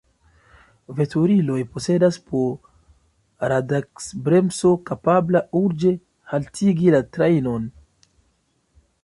Veturiloj posedas po radaks-bremso, kapabla urĝe haltigi la trajnon.